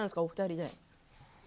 お二人で。